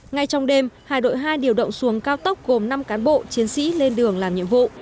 ngay trong đêm hải đội hai điều động xuống cao tốc gồm năm cán bộ chiến sĩ lên đường làm nhiệm vụ